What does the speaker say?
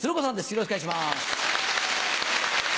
よろしくお願いします。